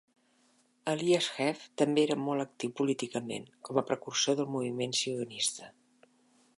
Elyashev també era molt actiu políticament, com a precursor del moviment sionista.